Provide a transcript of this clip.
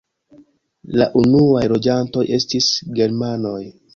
La unuaj loĝantoj estis germanoj.